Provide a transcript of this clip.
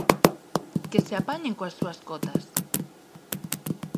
Que se apañen coas súas cotas!